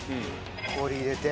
氷入れて。